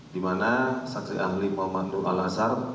dimana saksi ahli muhammad nur al azhar